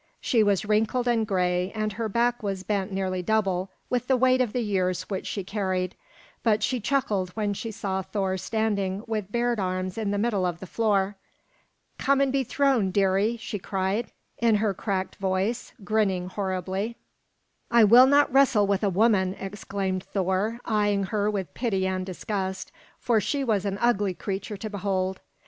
She was wrinkled and gray, and her back was bent nearly double with the weight of the years which she carried, but she chuckled when she saw Thor standing with bared arm in the middle of the floor. "Come and be thrown, dearie," she cried in her cracked voice, grinning horribly. "I will not wrestle with a woman!" exclaimed Thor, eyeing her with pity and disgust, for she was an ugly creature to behold.